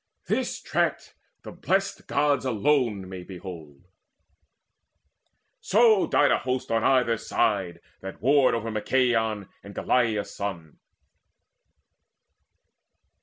This track the Blest Gods may alone behold. So died a host on either side that warred Over Machaon and Aglaia's son.